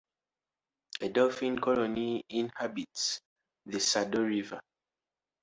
A dolphin colony inhabits the Sado River.